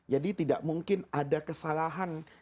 jadi tidak mungkin ada kesalahan